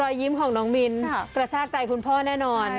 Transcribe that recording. ยิ้มของน้องมิ้นกระชากใจคุณพ่อแน่นอน